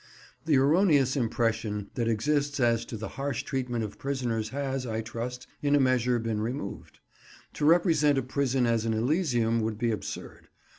The erroneous impression that exists as to the harsh treatment of prisoners has, I trust, in a measure been removed. To represent a prison as an elysium would be absurd.